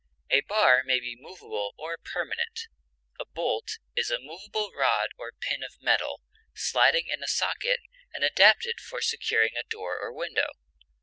A bar may be movable or permanent; a bolt is a movable rod or pin of metal, sliding in a socket and adapted for securing a door or window.